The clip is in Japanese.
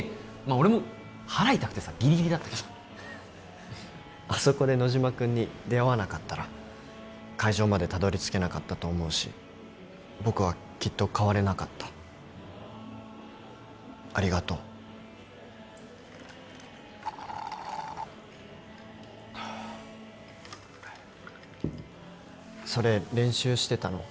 俺も腹痛くてさギリギリだったけどあそこで野島君に出会わなかったら会場までたどり着けなかったと思うし僕はきっと変われなかったありがとうそれ練習してたの？